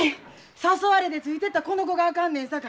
誘われてついてったこの子があかんねんさか。